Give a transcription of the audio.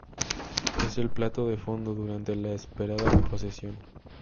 Es el "plato de fondo" durante la esperada procesión.